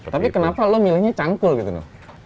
tapi kenapa lo milihnya cangkul gitu loh